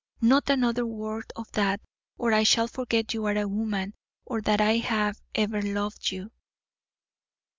"Not another word of that, or I shall forget you are a woman or that I have ever loved you."